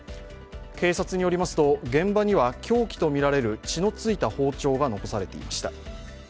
警察によりますと現場には凶器と見られる血のついた包丁が残されていました。